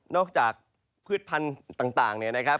จากพืชพันธุ์ต่างเนี่ยนะครับ